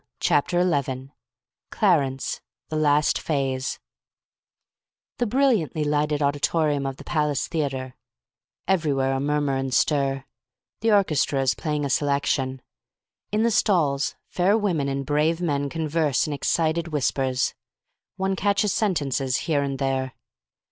Chapter 11 CLARENCE THE LAST PHASE The brilliantly lighted auditorium of the Palace Theatre. Everywhere a murmur and stir. The orchestra is playing a selection. In the stalls fair women and brave men converse in excited whispers. One catches sentences here and there.